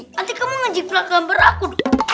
nanti kamu ngejip lah gambar aku